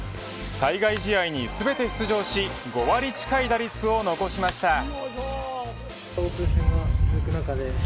対外試合に全て出場し５割近い打率を残しました。